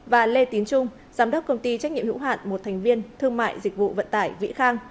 và lê tín trung giám đốc công ty trách nhiệm hữu hạn một thành viên thương mại dịch vụ vận tải vĩ khang